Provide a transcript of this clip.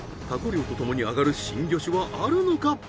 タコ漁とともに揚がる新魚種はあるのか？